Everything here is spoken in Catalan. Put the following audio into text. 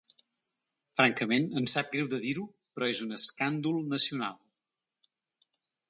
Francament, em sap greu de dir-ho, però és un escàndol nacional.